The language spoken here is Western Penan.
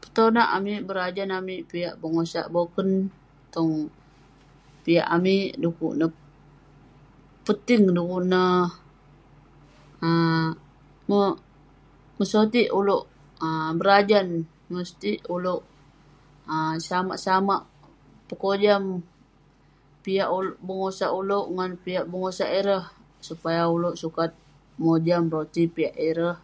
Petonak amik, berajan amik piak bengosak boken tong piak amik dukuk ne peting, dukuk nah um mok- mesotik uleuk um berajan, mestik uleuk um samak-samak pekojam piak uleu- bengosak uleuk ngan piak bengosak ireh supaya uleuk sukat mojam roti piak ireh.